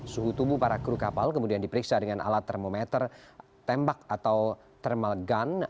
suhu tubuh para kru kapal kemudian diperiksa dengan alat termometer tembak atau thermal gun